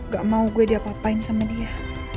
gak mau gue diapain sama dia